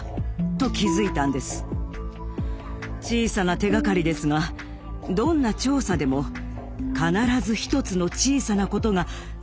小さな手がかりですがどんな調査でも必ず１つの小さなことが全てをつなげます。